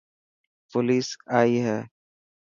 پوليس آئي هي.